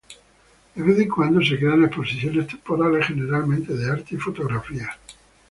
De vez en cuando, se crean exposiciones temporales, generalmente de arte y fotografía.